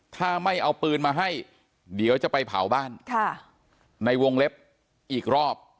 ถ้าไม่เอาปืนมาให้เดี๋ยวจะไปเผาบ้านในวงเล็บอีกรอบ